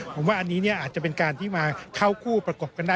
ผมว่าอันนี้อาจจะเป็นการที่มาเข้าคู่ประกบกันได้